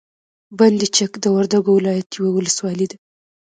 بند چک د وردګو ولایت یوه ولسوالي ده.